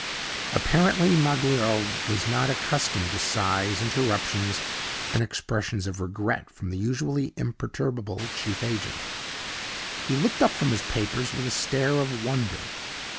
Apparently, Magloire was not accustomed to sighs, interruptions, and expressions of regret from the usually imperturbable chief agent. He looked up from his papers with a stare of wonder.